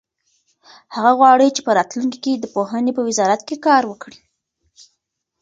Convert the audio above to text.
هغه غواړي چې په راتلونکي کې د پوهنې په وزارت کې کار وکړي.